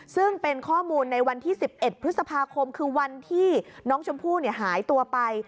ซึ่งเป็นข้อมูลในวันที่๑๑พฤษภาคมคือวันที่น้องชมพู่หายตัวไป